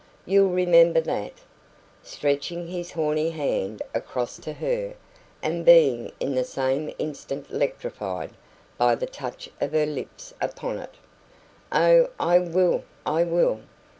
You'll remember that?" stretching his horny hand across to her, and being in the same instant electrified by the touch of her lips upon it. "Oh, I will! I will!"